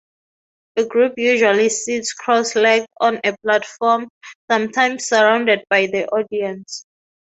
A group usually sits cross-legged on a platform, sometimes surrounded by the audience.